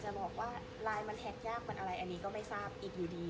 บอกว่าไลน์มันแท็กยากมันอะไรอันนี้ก็ไม่ทราบอีกอยู่ดี